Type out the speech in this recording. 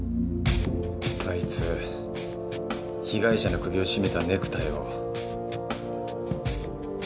あいつ被害者の首を絞めたネクタイを。